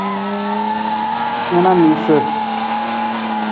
Na na miisa.